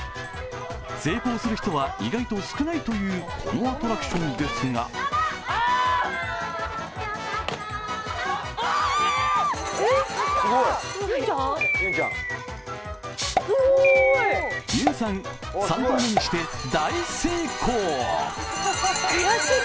成功する人は意外と少ないというこのアトラクションですがゆんさん、３投目にして大成功！